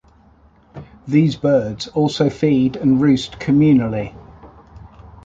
These birds also feed and roost communally.